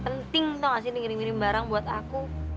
penting tau nggak sih dikirim kirim barang buat aku